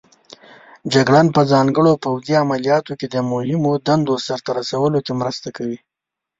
جګړن په ځانګړو پوځي عملیاتو کې د مهمو دندو سرته رسولو کې مرسته کوي.